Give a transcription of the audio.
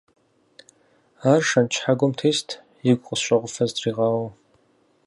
Ар шэнт щхьэгуэм тест, игу къысщӀэгъуфэ зытригъэуауэ.